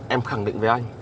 em khẳng định với anh